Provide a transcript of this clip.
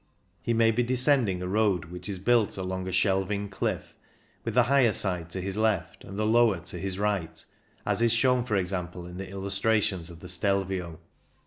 He may be descending a road which is built along a shelving cliff, with the higher side to his left and the lower to his right, as is shown, for example, in the illustrations of the Stelvio.